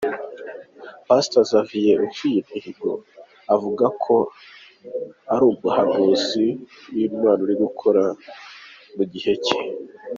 Pastor Xavier Uciyimihigo avuga ko ari umuhanuzi w'Imana uri gukora mu gihe cye.